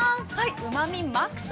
うまみマックス。